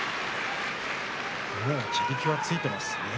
もう地力はついていますね。